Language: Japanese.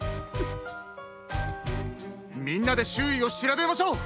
みんなでしゅういをしらべましょう。